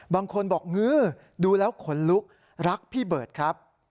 บางคนบอกงื้อดูแล้วขนลุกรักพี่เบิร์ตครับ